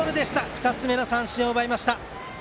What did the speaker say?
２つ目の三振を奪いました。